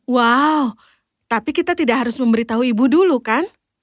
wow tapi kita tidak harus memberitahu ibu dulu kan